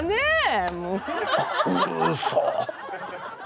うそ。